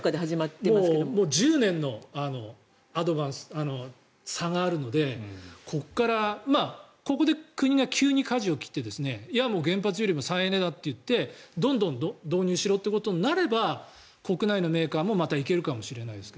もう１０年の差があるのでここで国が急にかじを切って原発よりも再エネだといってどんどん導入しろということになれば国内のメーカーもいけるかもしれないですが。